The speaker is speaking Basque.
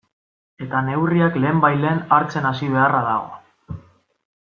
Eta neurriak lehenbailehen hartzen hasi beharra dago.